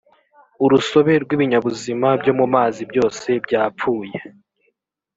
urusobe rw’ ibinyabuzima byo mu mazi byose bya pfuye